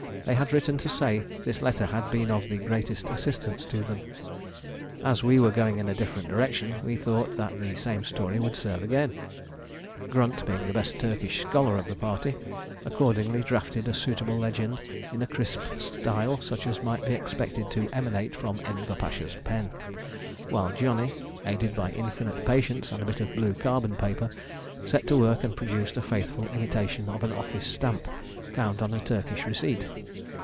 They had written to say this letter had been of the greatest assistance to them. As we were going in a different direction, we thought that the same story would serve again. Grunt, being the best Turkish scholar of the party, accordingly drafted a suitable legend in a crisp style such as might be expected to emanate from Enver Pasha's pen; while Johnny, aided by infinite patience and a bit of blue carbon paper, set to work and produced a faithful imitation of an office stamp found on a Turkish receipt.